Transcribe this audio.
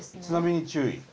「津波に注意」。